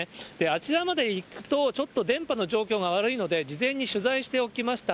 あちらまで行くと、ちょっと電波の状況が悪いので、事前に取材しておきました。